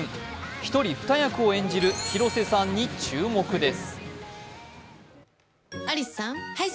一人二役を演じる広瀬さんに注目です。